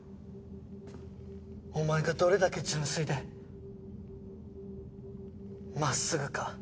お前がどれだけ純粋で真っすぐか。